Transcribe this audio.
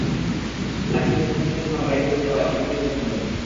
Lucky ভাই চিকিৎসার জন্য বাইরে চলে যাওয়ায় অনেক দিন দেখা হয়নি।